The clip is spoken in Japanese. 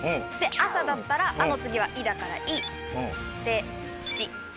で「あさ」だったら「あ」の次は「い」だから「い」で「し」。